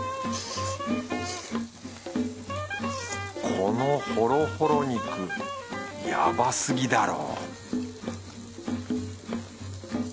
このホロホロ肉ヤバすぎだろ